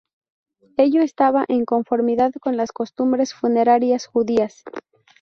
Ello está en conformidad con las costumbres funerarias judías.